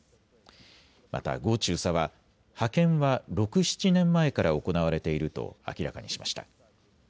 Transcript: また呉中佐は派遣は６、７年前から行われていると明らかにしました。